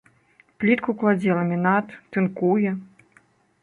Плітку кладзе, ламінат, тынкуе.